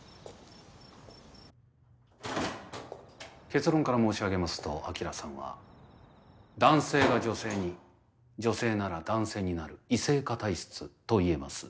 結論から申し上げますと晶さんは男性が女性に女性なら男性になる異性化体質といえます